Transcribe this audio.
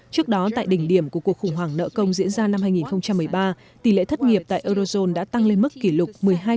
trước đó tại đỉnh điểm của cuộc khủng hoảng nợ công diễn ra năm hai nghìn một mươi ba tỷ lệ thất nghiệp tại eurozone đã tăng lên mức kỷ lục một mươi hai